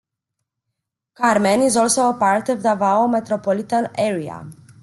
Carmen is also a part of Davao Metropolitan Area.